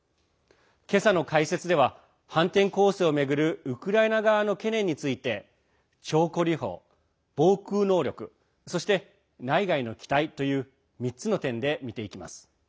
今朝の解説では、反転攻勢を巡るウクライナ側の懸念について長距離砲、防空能力そして内外の期待という３つの点で見ていきます。